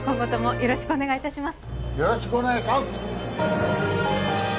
よろしくお願いします！